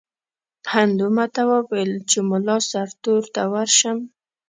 هندو ماته وویل چې مُلا سرتور ته ورشم.